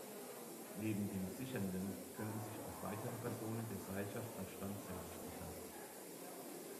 Neben dem Sichernden können sich auch weitere Personen der Seilschaft am Stand selbst sichern.